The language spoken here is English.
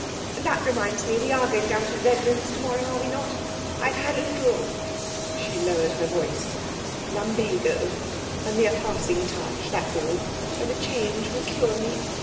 And that reminds me, we are going down to Redlands tomorrow, are we not? I've had a little' (she lowered her voice) 'lumbago; a mere passing touch, that's all and the change will cure me.